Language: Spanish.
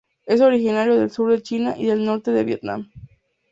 Es originario del sur de China y el norte de Vietnam.